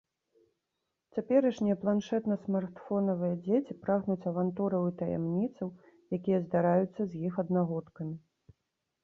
Цяперашнія планшэтна-смартфонавыя дзеці прагнуць авантураў і таямніцаў, якія здараюцца з іх аднагодкамі.